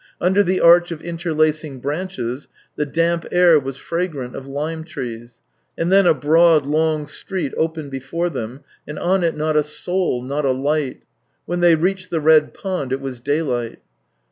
Under the arch of inter lacing branches, the damp air was fragrant of lime trees, and then a broad, long street opened before them, and on it not a soul, not a light. ... When they reached the Red Pond, it was daylight.